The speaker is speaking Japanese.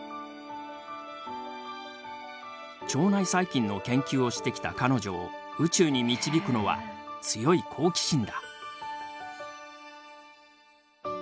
腸内細菌の研究をしてきた彼女を宇宙に導くのは強い好奇心だ。